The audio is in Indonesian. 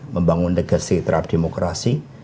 membangun legacy terhadap demokrasi